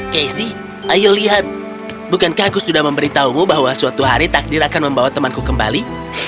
kaisy ayo lihat bukankah aku sudah memberitahumu bahwa suatu hari takdir akan membawa temanku kembali